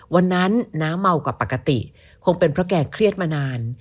วันนั้นน้าเมากว่าปกติคงเป็นเพราะแกเครียดมานาน